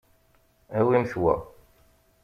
Awimt wa.